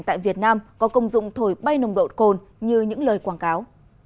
tại việt nam có công dụng thổi bay nồng độ cồn như những lời quảng cáo